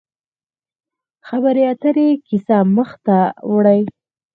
خبرې اترې کیسه مخ ته وړي.